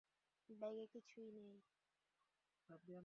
ব্যাগে কিছুই নেই।